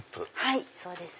はいそうです。